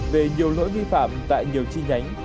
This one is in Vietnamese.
về nhiều lỗi vi phạm tại nhiều chi nhánh